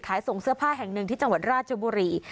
ส่งเสื้อผ้าแห่งหนึ่งที่จังหวัดราชบุรี